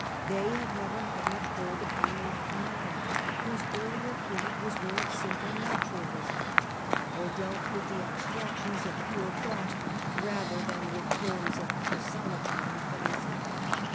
They had never had much hold upon the Latin mind, whose earlier of religious creed was one of simple naturalism, or dealt with the abstractions of pure thought rather than with forms of personifying fancy.